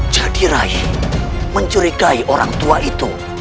jadi rai mencurigai orang tua itu